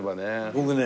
僕ね